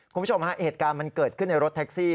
คุณผู้ชมฮะเหตุการณ์มันเกิดขึ้นในรถแท็กซี่